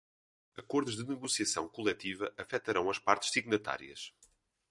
Acordos de negociação coletiva afetarão as partes signatárias.